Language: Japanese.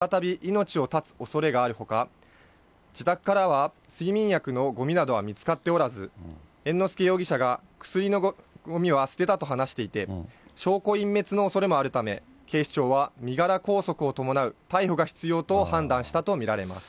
また、猿之助容疑者は自身も自殺を図っていて、再び命を絶つおそれがあるほか、自宅からは睡眠薬のごみなどは見つかっておらず、猿之助容疑者が薬のごみは捨てたと話していて、証拠隠滅のおそれもあるため、警視庁は身柄拘束を伴う逮捕が必要と判断したと見られます。